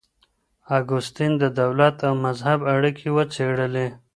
اګوستين د دولت او مذهب اړيکي وڅېړلې.